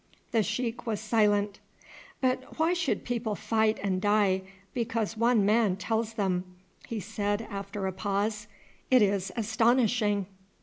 The sheik was silent. "But why should people fight and die because one man tells them?" he said after a pause; "it is astonishing."